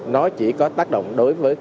nó chỉ có tác động đối với